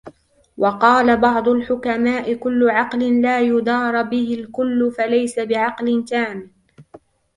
وَقَالَ بَعْضُ الْحُكَمَاءِ كُلُّ عَقْلٍ لَا يُدَارَى بِهِ الْكُلُّ فَلَيْسَ بِعَقْلٍ تَامٍّ